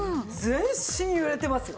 全身揺れてますよ。